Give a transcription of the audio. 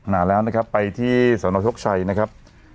นานแล้วนะครับไปที่สนชกชัยนะครับ